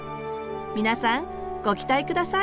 皆さんご期待ください